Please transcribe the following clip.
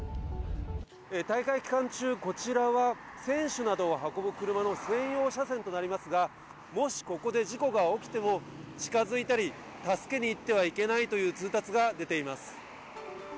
大会期間中、こちらは選手などを運ぶ車の専用車線となりますが、もしここで事故が起きても、近づいたり、助けに行ってはいけないという通達が出ています。